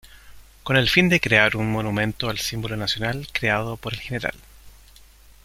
Con el fin de crear un monumento al símbolo nacional creado por el Gral.